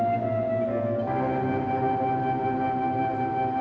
masih suka soalnya bisa menyerah dia